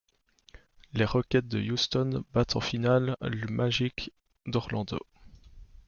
Les Rockets de Houston battent en finale l'Magic d'Orlando.